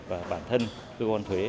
và bản thân cơ quan thuế